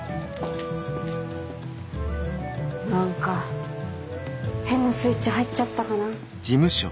何か変なスイッチ入っちゃったかな。